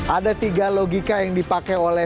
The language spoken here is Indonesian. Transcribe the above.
ada tiga logika yang dipakai oleh